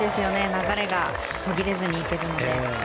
流れが途切れずにいけるので。